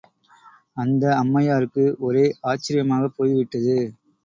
அந்த அம்மையாருக்கு ஒரே ஆச்சரியமாகப் போய் விட்டது.